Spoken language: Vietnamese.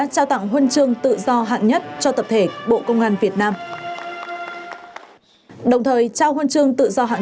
trao tặng huân chương tự do hạng nhất cho tập thể bộ công an việt nam đồng thời trao huân chương tự do hạng